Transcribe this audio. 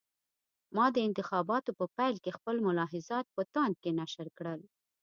ما د انتخاباتو په پیل کې خپل ملاحضات په تاند کې نشر کړل.